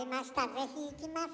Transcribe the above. ぜひ行きます。